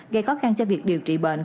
gây khó khăn cho việc điều trị bệnh